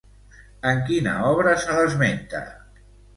En quina obra se l'esmenta?